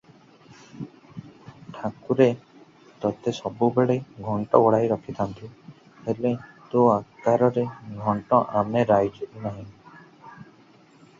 ଠାକୁରେ ତତେ ସବୁବେଳେ ଘଣ୍ଟ ଘୋଡ଼େଇ ରଖିଥାନ୍ତୁ, ହେଲେ ତୋ ଆକାରର ଘଣ୍ଟ ଆମ ରାଇଜରେ କାହିଁ?